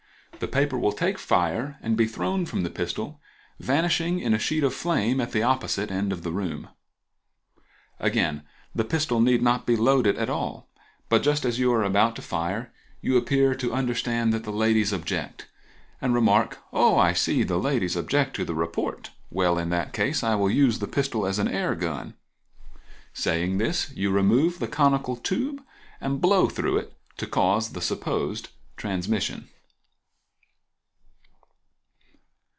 The paper will take fire and be thrown from the pistol, vanishing in a sheet of flame at the opposite end of the room. Again, the pistol need not be loaded at all, but just as you are about to fire you appear to understand that the ladies object, and remark—"Oh! I see the ladies object to the report—well in that case I will use the pistol as an air gun." Saying this, you remove the conical tube and blow through it to cause the supposed transmission.